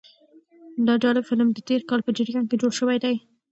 دا جالب فلم د تېر کال په جریان کې جوړ شوی دی.